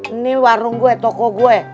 ini warung gue toko gue